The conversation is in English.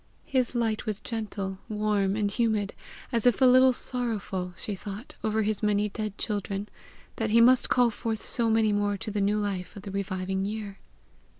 His light was gentle, warm, and humid, as if a little sorrowful, she thought, over his many dead children, that he must call forth so many more to the new life of the reviving year.